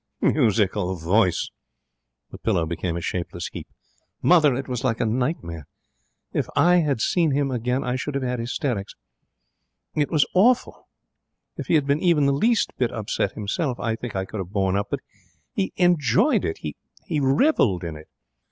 'Musical voice!' The pillow became a shapeless heap. 'Mother, it was like a nightmare! If I had seen him again I should have had hysterics. It was awful! If he had been even the least bit upset himself I think I could have borne up. But he enjoyed it! He revelled in it!